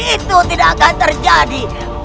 itu tidak akan terjadi